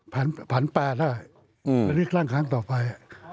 ผ่านแปลถ้าเลือกตั้งครั้งต่อไป